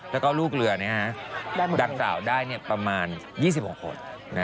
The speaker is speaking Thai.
แล้วก็ลูกเรือนี้ฮะดักเต่าได้ประมาณ๒๖คน